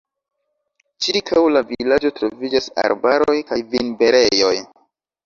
Ĉirkaŭ la vilaĝo troviĝas arbaroj kaj vinberejoj.